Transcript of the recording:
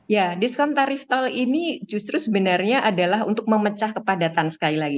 ya diskon tarif tol ini justru sebenarnya adalah untuk memecah kepadatan sekali lagi